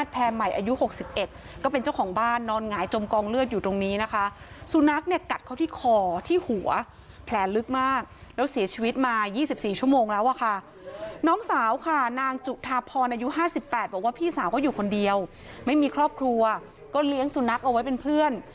น้องสาวค่ะนางจุธาพรอายุ๕๘บอกว่าพี่สาวก็อยู่คนเดียวไม่มีครอบครัวก็เลี้ยงสุนัขเอาไว้เป็นเพื่อน